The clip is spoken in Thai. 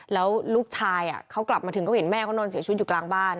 แล้วลูกชายเขากลับมาถึงก็เห็นแม่เขานอนเสียชีวิตอยู่กลางบ้าน